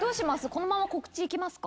このまま告知いきますか？